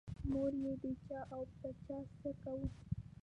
موږ یې د چا او په چا څه کوو.